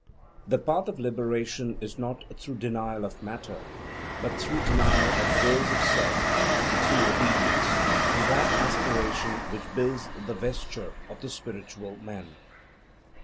The path of liberation is not through denial of matter but through denial of the wills of self, through obedience, and that aspiration which builds the vesture of the spiritual man.